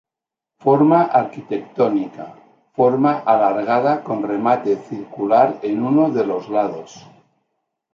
Forma arquitectónica: forma alargada con remate circular en uno de los lados.